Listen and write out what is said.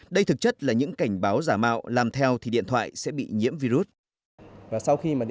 đây thực chất là những cảnh báo giả mạo làm theo thì điện thoại sẽ bị nhiễm virus